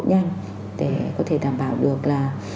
nhanh để có thể đảm bảo được là